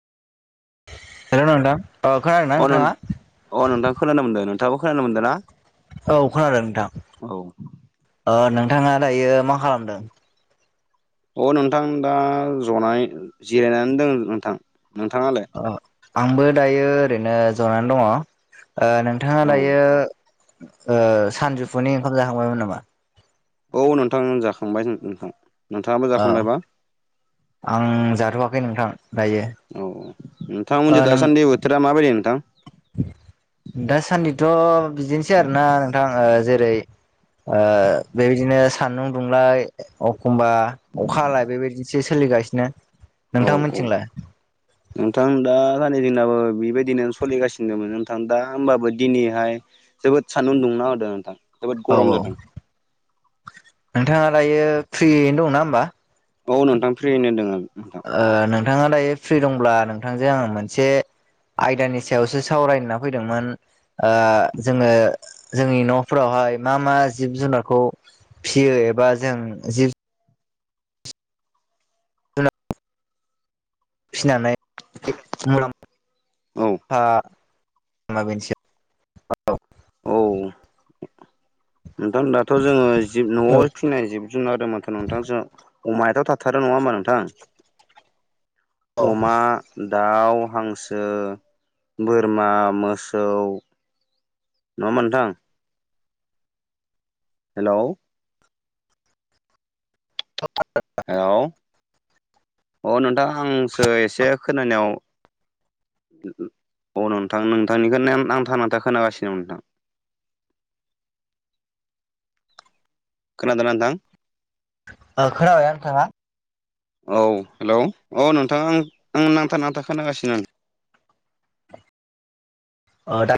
Hello नोंथां औ खोनादों ना अ नों नोंथाङा? अ नोंथखौ खोनानो मोन्दों नोंथाङाबो खोनानो मोनदों ना। औ खोनादों नोंथां औ ओ नोंथाङा दायो मा खालामदों? अ नोंथां दा जनाय जिरायनानै दङ नोंथां नोंथाङालाय। अ आंबो दायो ओरैनो जनानै दङ नोंथाङा औ दायो ओ सानजौफुनि ओंखाम जाखांबायमोन नामा। औ नोंथां जाखांबाय नोंथां नोंथाङाबो औ जाखांबायबा आं जाथ'आखै नोंथां दायो। औऔ ओ नोंथांमोनजों नों दासान्दि बोथोरा माबायदि नोंथां। दासान्दिथ' बिदिनोसै आरोना नोंथां जेरै ओ बेबायदिनो सान्दुं दुंलाय अखमबा अखा हालाय बेबायदिसो सोलिगासिनो औ औ। नोंथांमोनथिंलाय नोंथां दा सानै जोंनाबो बेबायदिनो सलिगासिनोमोन नोंथां दा होमबाबो दिनैहाय जोबोद सान्दुं दुंना होदों नोंथां। जोबोद औ गरम औ जादों नोंथाङा दायो फ्रियैनो दंना होमबा? औ नोंथां फ्रियैनो दोङो नोंथां। ओ नोंथाङा दायो फ्रि दंब्ला नोंथांजों आङो मोनसे आयदानि सायावसो सावरायना फैदोंमोन। ओ जोङो जोंनि न'फोरावहाय मा मा जिब जुनारखौ फिसियो एबा जों जिब जुना फिनानै मुलाम औ। आ होमबा बेनोसै औ। औ नोंथां दाथ' जोङो जिब न'आव फिनाय जिब जुनार होमाथ' नोंथां जोंहा अमायाथ' थाथारो नङा होमबा नोंथां? [inaudible] अमा, दाउ, हांसो, बोरमा, मोसौ नङा होमबा नोंथां? हेलौ! [unintelligible] हेलौ अ' नोंथां आंसो एसे खोनानायाव अ' नोंथां नोंथांनिखौनो नांथा नांथा खोनागासिनो नोंथां। खोनादोना नोंथां? ओ खोनाबायना नोंथाङा? औ हेलौ अ' नोंथां आं आं नांथा नांथा खोनागासिनो। ओ दा